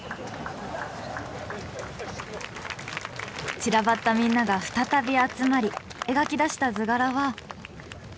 散らばったみんなが再び集まり描き出した図柄は。